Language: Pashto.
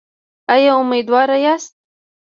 ایا امیدواره یاست؟